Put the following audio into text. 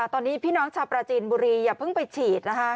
ตอนนี้พี่น้องชาวปราจีนบุรีอย่าเพิ่งไปฉีดนะคะ